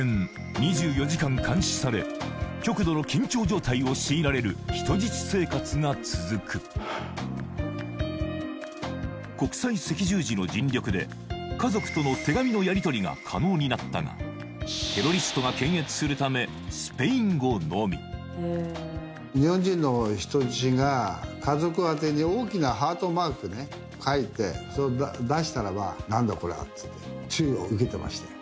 ２４時間監視され極度の緊張状態を強いられる人質生活が続く国際赤十字の尽力で家族との手紙のやりとりが可能になったがテロリストが検閲するためスペイン語のみかいてそれを出したらば「何だこれは」っつって注意を受けてましたよ